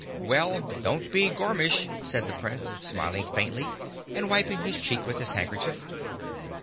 "Well, don't be gormish," said the Prince, smiling faintly and wiping his cheek with his handkerchief.